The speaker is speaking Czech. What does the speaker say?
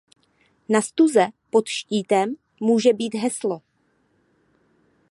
Na stuze pod štítem může být heslo.